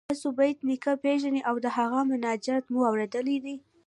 تاسو بېټ نیکه پيژنئ او د هغه مناجات مو اوریدلی دی؟